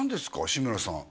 志村さん